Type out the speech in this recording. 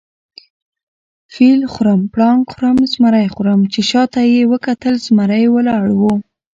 فیل خورم، پړانګ خورم، زمرى خورم . چې شاته یې وکتل زمرى ولاړ وو